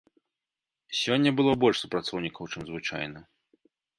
Сёння было больш супрацоўнікаў, чым звычайна.